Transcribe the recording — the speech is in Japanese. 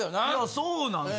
そうなんです。